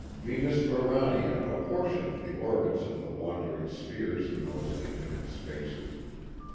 Venus Urania apportioned the orbits of the wandering spheres in those infinite spaces.